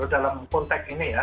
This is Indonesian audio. dalam konteks ini ya